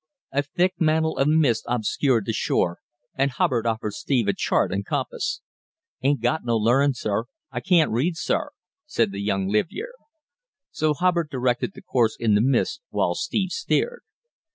A thick mantle of mist obscured the shore, and Hubbard offered Steve a chart and compass. "Ain't got no learnin', sir; I can't read, sir," said the young livyere. So Hubbard directed the course in the mist while Steve steered.